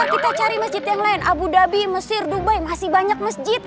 kita cari masjid yang lain abu dhabi mesir dubai masih banyak masjid